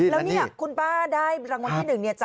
แล้วอันนี้คุณป้าได้รางวัลที่หนึ่ง